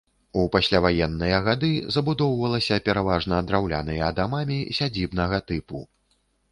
У пасляваенныя гады забудоўвалася пераважна драўляныя дамамі сядзібнага тыпу.